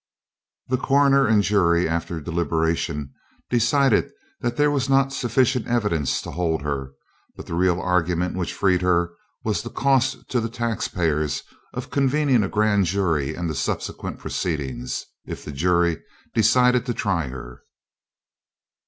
The coroner and jury, after deliberation, decided that there was not sufficient evidence to hold her, but the real argument which freed her was the cost to the taxpayers of convening a Grand Jury, and the subsequent proceedings, if the jury decided to try her.